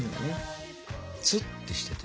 ツッとしてて。